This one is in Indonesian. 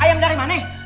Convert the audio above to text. ayam dari mana